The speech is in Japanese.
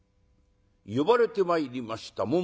呼ばれてまいりました